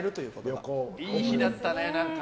いい日だったね。